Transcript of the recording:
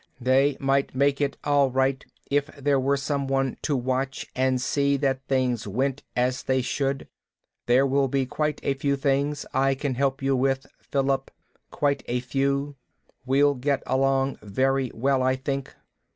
"They might make it all right, if there were someone to watch and see that things went as they should. There will be quite a few things I can help you with, Philip. Quite a few. We'll get along very well, I think."